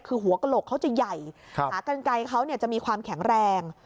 คือหัวกระโหลกเขาจะใหญ่หากันไกลเขาจะมีความแข็งแรง